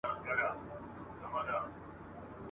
له عمرونو پکښي اوسم لا پردی راته مقام دی ..